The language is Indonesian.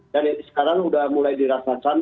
dari sekarang sudah mulai di ratasan